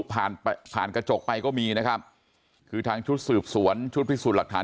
ผ่านผ่านกระจกไปก็มีนะครับคือทางชุดสืบสวนชุดพิสูจน์หลักฐาน